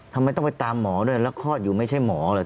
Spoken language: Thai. ทำไมต้องไปตามหมอด้วยแล้วคลอดอยู่ไม่ใช่หมอเหรอ